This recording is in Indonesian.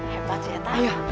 hebat sih atah